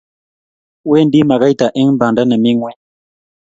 Wendi makaita eng banda nemi ngweny